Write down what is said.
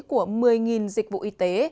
của một mươi dịch vụ y tế